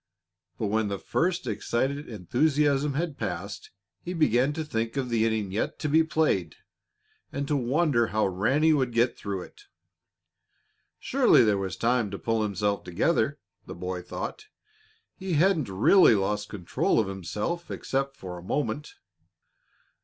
But when the first excited enthusiasm had passed he began to think of the inning yet to be played and to wonder how Ranny would get through it. Surely there was time to pull himself together, the boy thought. He hadn't really lost control of himself except for a moment.